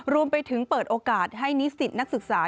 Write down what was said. รวมไปถึงเปิดโอกาสให้นิสิตนักศึกษา